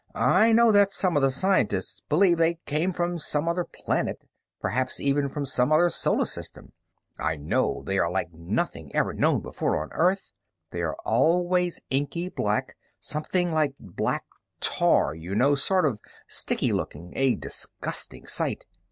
"I know that some of the scientists believe they came from some other planet, perhaps even from some other solar system. I know they are like nothing ever known before on Earth. They are always inky black, something like black tar, you know, sort of sticky looking, a disgusting sight.